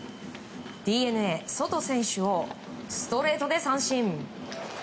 ＤｅＮＡ、ソト選手をストレートで三振。